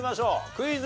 クイズ。